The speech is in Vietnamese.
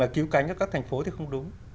cứu cánh cho các thành phố thì không đúng